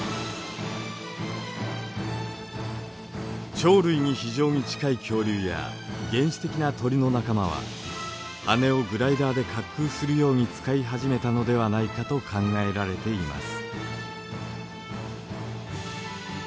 鳥類に非常に近い恐竜や原始的な鳥の仲間は羽をグライダーで滑空するように使い始めたのではないかと考えられています。